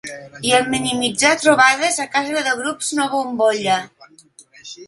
I en minimitzar trobades a casa de grups no bombolla.